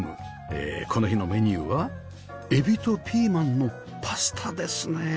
えーこの日のメニューはエビとピーマンのパスタですね